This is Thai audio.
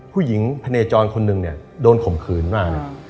ผู้หญิงแผนจรคนหนึ่งเนี่ยโดนข่มขืนมาก